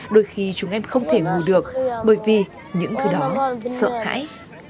đôi khi chúng em không thể ngủ được bởi vì những thứ đó sợ hãi